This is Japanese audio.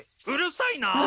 うるさいな！